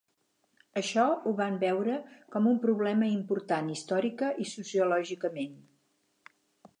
Això ho van veure com un problema important històrica i sociològicament.